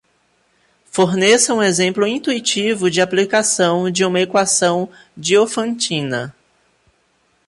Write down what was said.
Forneça um exemplo intuitivo de aplicação de uma equação Diofantina.